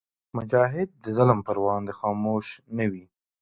مجاهد د ظلم پر وړاندې خاموش نه وي.